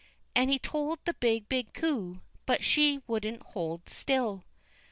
And he told the big, big coo, but she wouldn't hold still.